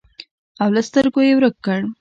او له سترګو یې ورک کړ.